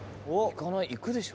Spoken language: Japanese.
行くでしょ。